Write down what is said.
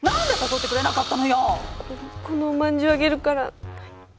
このおまんじゅうあげるから許して。